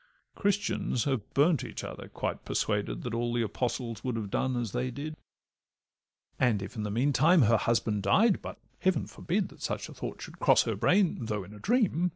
Christians have burnt each other, quite persuaded That all the Apostles would have done as they did. And if in the mean time her husband died, But Heaven forbid that such a thought should cross Her brain, though in a dream!